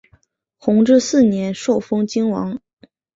弘治四年受封泾王。